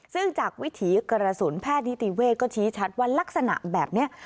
ซึ่งจากวิถีกระสุนแพทย์นิติเวศก็ชี้ชัดว่ารักษณะแบบนี้